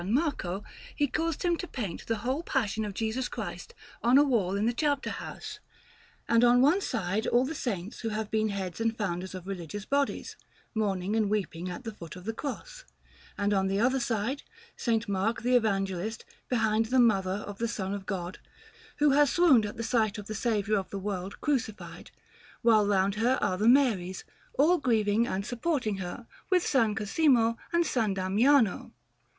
Marco, he caused him to paint the whole Passion of Jesus Christ on a wall in the chapter house; and on one side all the Saints who have been heads and founders of religious bodies, mourning and weeping at the foot of the Cross, and on the other side S. Mark the Evangelist beside the Mother of the Son of God, who has swooned at the sight of the Saviour of the world Crucified, while round her are the Maries, all grieving and supporting her, with S. Cosimo and S. Damiano.